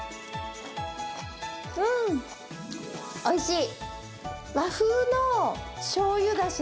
おいしい。